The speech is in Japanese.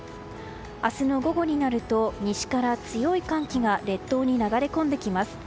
明日の午後になると西から強い寒気が列島に流れ込んできます。